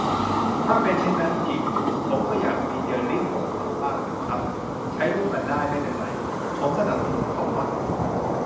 ถ้าเป็นเช่นนั้นจริง ผมก็อยากฟีเจอริ่งกับเขาบ้างนะครับ ใช้ร่วมกันได้ ไม่เป็นไร ผมสนับสนุนคอมมอนส์